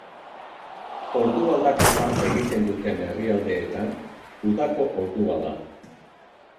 Ordu aldaketa egiten duten herrialdeetan, udako ordua da.